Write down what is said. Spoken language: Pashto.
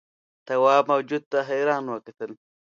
تواب موجود ته حیران وکتل.